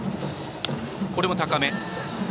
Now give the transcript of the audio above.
これも高め。